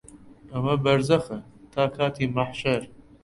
ئەمە بەرزەخە تا کاتی مەحشەر